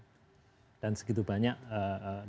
pemerintah selalu punya prioritas